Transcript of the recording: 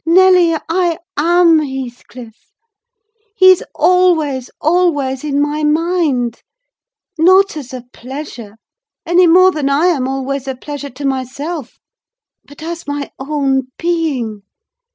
Nelly, I am Heathcliff! He's always, always in my mind: not as a pleasure, any more than I am always a pleasure to myself, but as my own being.